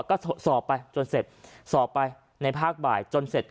ก็สอบไปจนเสร็จสอบไปในภาคบ่ายจนเสร็จ